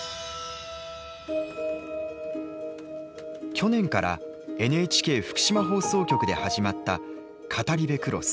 去年からＮＨＫ福島放送局で始まった「語り部クロス」。